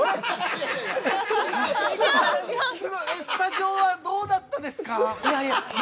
スタジオはどうだったですか？